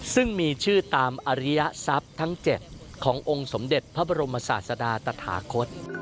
ซึ่งมีชื่อตามอริยทรัพย์ทั้ง๗ขององค์สมเด็จพระบรมศาสดาตฐาคต